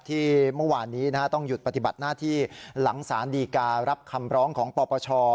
ที่เมื่อวานนี้ต้องหยุดปฏิบัติหน้าที่หลังสารดีการับคำร้องของปปช